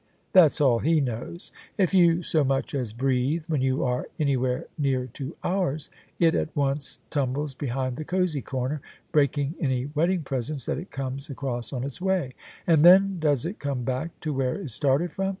That's all he knows! If you so much as breathe when you are anywhere near to ours, it at once tum bles behind the cosey comer, breaking any wedding presents that it comes across on its way. And then does it come back to where it started from?